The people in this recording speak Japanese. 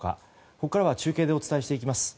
ここからは中継でお伝えしていきます。